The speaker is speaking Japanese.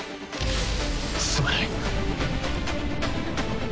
すまない。